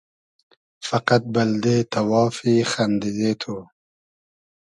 فئقئد بئلدې تئوافی خئندیدې تو